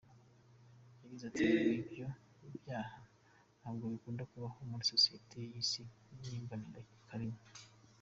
Yagize ati “Ibyo byaha ntabwo bikunda kubaho muri sosiyete y’isi, ni imbonekarimwe.